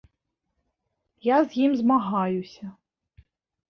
Я з ім змагаюся.